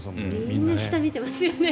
みんな下見てますよね。